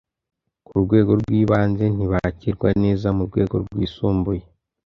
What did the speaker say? kurwego rwibanze ntibakirwa neza murwego rwisumbuye